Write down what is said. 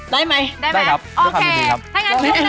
ได้ไหมได้ครับโอเคถ้างั้นช่วงหน้า